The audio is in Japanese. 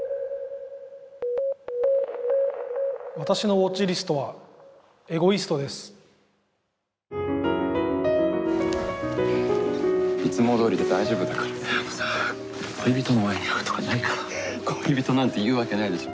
私のＷａｔｃｈＬＩＳＴは「エゴイスト」ですいつもどおりで大丈夫だからいやあのさ恋人の親に会うとかないから恋人なんて言うわけないでしょ